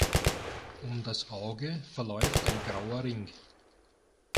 Um das Auge verläuft ein grauer Ring.